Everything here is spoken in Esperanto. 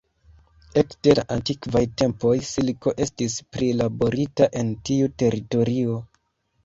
Ekde la antikvaj tempoj silko estis prilaborita en tiu teritorio.